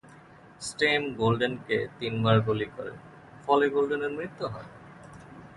Stem গোল্ডেনকে তিনবার গুলি করে, ফলে গোল্ডেনের মৃত্যু হয়।